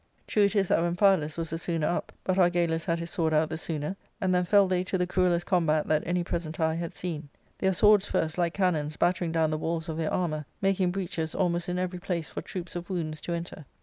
True it is that Amphialus was the sooner up, but Argalus had his sword out the sooner ; and then fell they to the cruellest combat that any present eye had seen ; their swords first, like cannons, battering down the walls of their armour, making breaches almost in every place for troops of wounds to enter.